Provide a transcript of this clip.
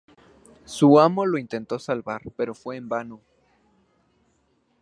Su amo lo intentó salvar, pero fue en vano.